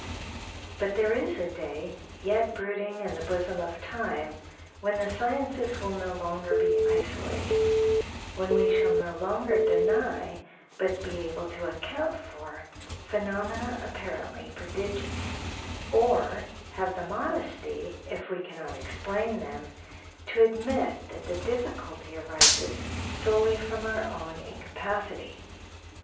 But there is a day yet brooding in the bosom of time, when the sciences will be no longer isolated; when we shall no longer deny, but be able to account for, phenomena apparently prodigious, or have the modesty, if we can not explain them, to admit that the difficulty arises solely from our own incapacity.